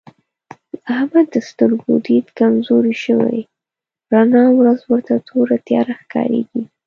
د احمد د سترګو دید کمزوری شوی رڼا ورځ ورته توره تیاره ښکارېږي.